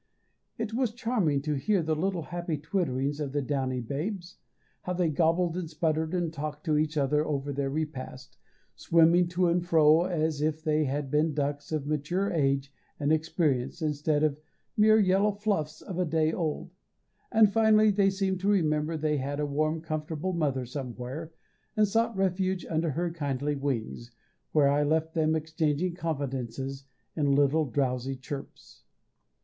It was charming to hear the little happy twitterings of the downy babes, how they gobbled and sputtered and talked to each other over their repast, swimming to and fro as if they had been ducks of mature age and experience, instead of mere yellow fluffs of a day old; and, finally, they seemed to remember they had a warm, comfortable mother somewhere, and sought refuge under her kindly wings, where I left them exchanging confidences in little drowsy chirps.